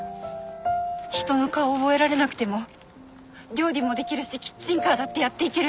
人の顔を覚えられなくても料理も出来るしキッチンカーだってやっていける。